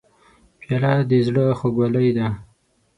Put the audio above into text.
پیاله د زړه خوږلۍ ده.